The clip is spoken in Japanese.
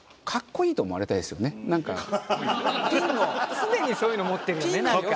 常にそういうの持ってるよねなんか。